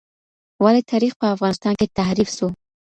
ولې تاریخ په افغانستان کې تحریف سو؟